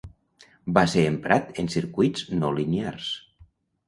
Va ser emprat en circuits no linears.